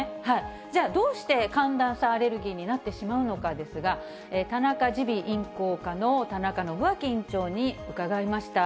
じゃあ、どうして寒暖差アレルギーになってしまうのかですが、たなか耳鼻咽喉科の田中伸明院長に伺いました。